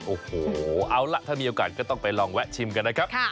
โอ้โหเอาล่ะถ้ามีโอกาสก็ต้องไปลองแวะชิมกันนะครับ